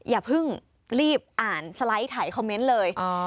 อย่าเพิ่งรีบอ่านสไลด์ถ่ายคอมเมนต์เลย